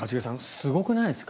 すごくないですか？